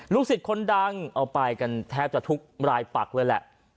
สิทธิ์คนดังเอาไปกันแทบจะทุกรายปักเลยแหละ